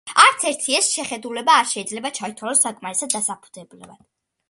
არც ერთი ეს შეხედულება არ შეიძლება ჩაითვალოს საკმარისად დასაბუთებულად.